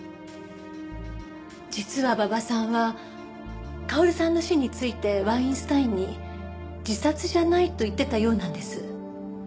実は馬場さんは薫さんの死についてワインスタインに自殺じゃないと言ってたようなんです。